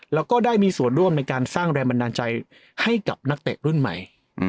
แล้วก็ได้มีส่วนร่วมในการสร้างแรงบันดาลใจให้กับนักเตะรุ่นใหม่